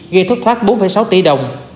gây thất thoát bốn sáu tỷ đồng